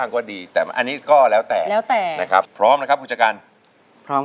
เสียดายตัวช่วยครับ